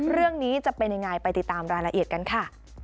เรื่องนี้จะเป็นยังไงไปติดตามรายละเอียดกันค่ะ